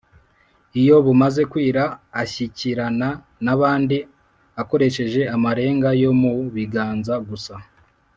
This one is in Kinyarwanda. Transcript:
Iyo bumaze kwira ashyikirana n’abandi akoresheje amarenga yo mu biganza gusa